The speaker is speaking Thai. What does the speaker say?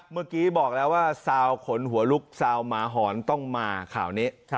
เมื่อกี้บอกแล้วว่าซาวขนหัวลุกซาวหมาหอนต้องมาข่าวนี้